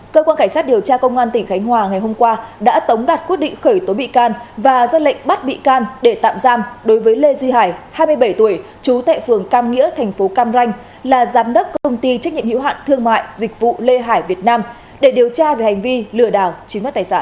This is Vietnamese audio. cơ quan cảnh sát điều tra công an tỉnh khánh hòa ngày hôm qua đã tống đạt quyết định khởi tố bị can và ra lệnh bắt bị can để tạm giam đối với lê duy hải hai mươi bảy tuổi trú tại phường cam nghĩa tp cam ranh là giám đốc công ty trách nhiệm hiệu hạn thương mại dịch vụ lê hải việt nam để điều tra về hành vi lừa đảo chiếm đoạt tài sản